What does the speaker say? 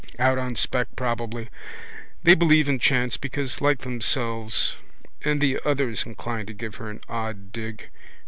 Out on spec probably. They believe in chance because like themselves. And the others inclined to give her an odd dig.